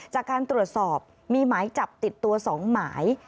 จากการตรวจสอบมีหมายจับติดตัว๒หมาย